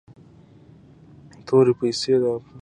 تورې پیسي د انفلاسیون او د بیو د لوړوالي لامل کیږي.